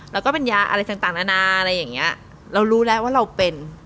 แล้วก็เป็นยาอะไรต่างนานาอะไรอย่างเงี้ยเรารู้แล้วว่าเราเป็น